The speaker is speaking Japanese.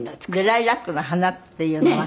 ライクラックの花っていうのは。